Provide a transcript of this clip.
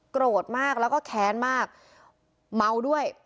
โกรธมากแล้วก็แค้นมากเมาด้วย